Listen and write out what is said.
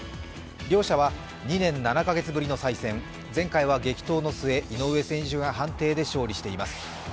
両者は２年７カ月ぶりの再戦前回は激闘の末、井上選手が判定で勝利しています。